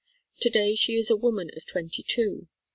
To day she is a woman of twenty two.